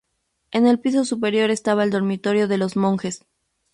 En el piso superior estaba el dormitorio de los monjes.